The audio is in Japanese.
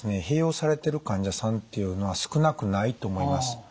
併用されてる患者さんっていうのは少なくないと思います。